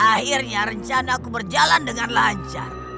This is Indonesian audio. akhirnya rencana aku berjalan dengan lancar